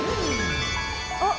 あっ。